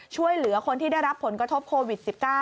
ช่วยเหลือคนที่ได้รับผลกระทบโควิด๑๙